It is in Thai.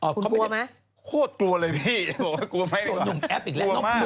อ๋อคุณกลัวไหม